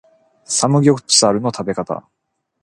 サムギョプサルの食べ方